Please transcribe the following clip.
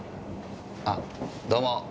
あどうも。